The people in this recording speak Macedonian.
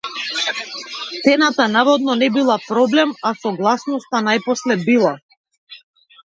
Цената наводно не била проблем, а согласноста најпосле била.